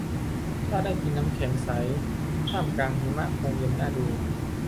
ถ้าได้กินน้ำแข็งใสท่ามกลางหิมะคงเย็นน่าดู